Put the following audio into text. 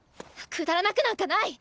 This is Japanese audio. くだらなくなんかない！